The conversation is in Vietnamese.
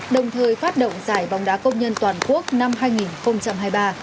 đồng thời phát động giải bóng đá công nhân toàn quốc năm hai nghìn hai mươi ba